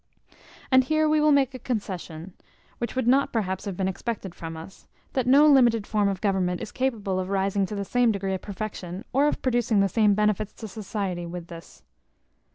And here we will make a concession, which would not perhaps have been expected from us, that no limited form of government is capable of rising to the same degree of perfection, or of producing the same benefits to society, with this.